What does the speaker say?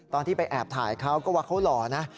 ตอนที่ไปแอบถ่ายเขาก็ว่าเขาหล่อนะ